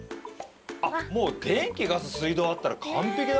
もう電気・ガス・水道あったら完璧だ。